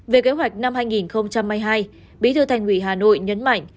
về kế hoạch năm hai nghìn hai mươi hai bí thư thành ủy hà nội nhấn mạnh